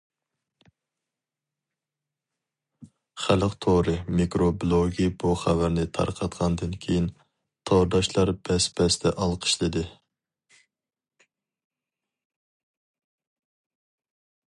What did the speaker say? خەلق تورى مىكرو بىلوگى بۇ خەۋەرنى تارقاتقاندىن كىيىن، تورداشلار بەس- بەستە ئالقىشلىدى.